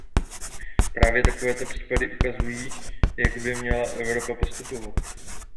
Právě takovéto případy ukazují, jak by měla Evropa postupovat.